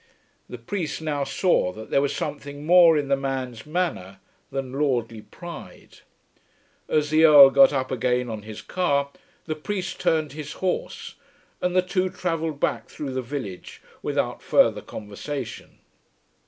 The priest now saw that there was something more in the man's manner than lordly pride. As the Earl got again up on his car, the priest turned his horse, and the two travelled back through the village without further conversation.